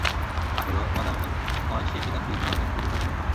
কাফির ও বদ-আমল হওয়ায় সে পিতার দীন-ধর্মের বিরুদ্ধাচরণ করে।